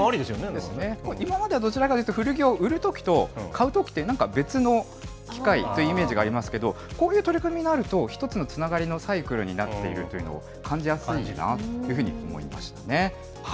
そうですね、今まではどちらかというと、古着を売るときと、買うときって、なんか別の機会というイメージがありますけれども、こういう取り組みがあると、一つのつながりのサイクルになっているというのを感じやすいかなというふうに思いましたね。